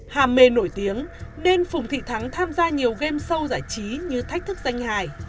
hà mê nổi tiếng nên phùng thị thắng tham gia nhiều game show giải trí như thách thức danh hài